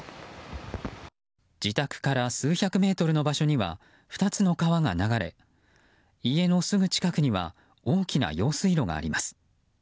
自宅から数百メートルの場所には２つの川が流れ家のすぐ近くには大きな用水路があります。